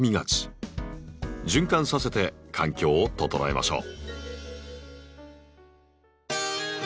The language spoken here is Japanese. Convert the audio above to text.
循環させて環境を整えましょう。